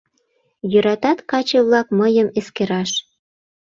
Йӧратат каче-влак мыйым эскераш...